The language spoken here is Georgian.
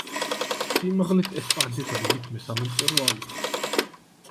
სიმაღლით ესპანეთის რიგით მესამე მწვერვალია.